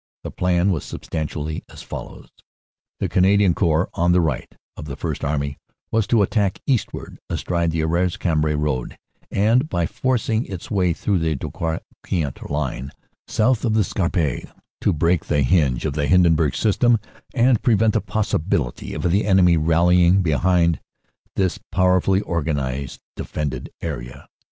The plan was substantially as follows : "The Canadian Corps, on the right of the First Army, was to attack eastwards astride the Arras Cambrai road, and by forcing its way through the Drocourt Queant Line south of 112 CANADA S HUNDRED DAYS the Scarpe to break the hinge of the Hindenburg System and prevent the possibility of the enemy rallying behind this powerfully organized defended area.